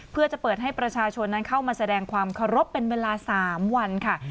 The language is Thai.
เพื่อจะเปิดให้ประชาชนนั้นเข้ามาแสดงความเคารพเป็นเวลา๓วันค่ะ